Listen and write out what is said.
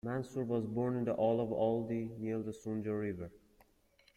Mansur was born in the aul of Aldi, near the Sunja River.